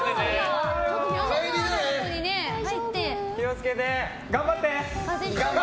気を付けてね！頑張って！